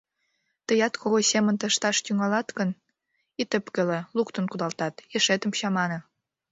Тыят Когой семын ышташ тӱҥалат гын, ит ӧпкеле — луктын кудалтат, ешетым чамане...